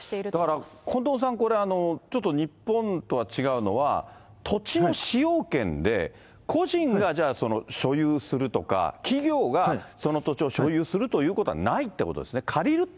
だから近藤さん、これ、ちょっと日本とは違うのは、土地の使用権で、個人が、じゃあ所有するとか、企業がその土地を所有するということはないってことですね。